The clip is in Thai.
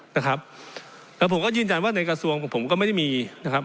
นะครับแล้วผมก็ยืนยันว่าในกระทรวงของผมก็ไม่ได้มีนะครับ